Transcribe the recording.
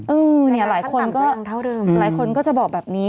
อืมหลายคนก็จะบอกแบบนี้